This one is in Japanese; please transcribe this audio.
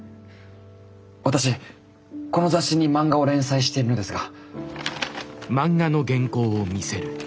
私この雑誌に漫画を連載しているのですが。